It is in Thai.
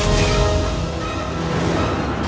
น้ำ